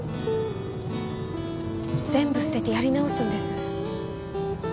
全部捨ててやり直すんです。